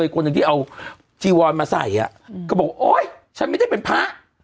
คนหนึ่งที่เอาจีวอนมาใส่ก็บอกโอ๊ยฉันไม่ได้เป็นพระ